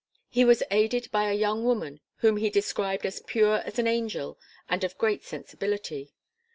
He was aided by a young woman whom he described as pure as an angel and of great sensibility.